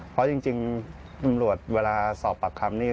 เพราะจริงตำรวจเวลาสอบปากคำนี่